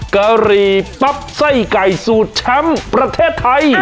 กะหรี่ปั๊บไส้ไก่สูตรแชมป์ประเทศไทย